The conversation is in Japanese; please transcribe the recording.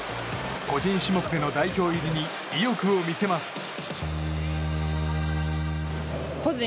個人種目での代表入りに意欲を見せます。